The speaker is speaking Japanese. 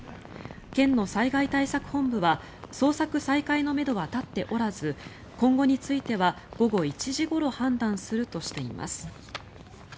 県の災害対策本部は捜索再開のめどは立っておらず今後については、午後１時ごろ判断するとしています。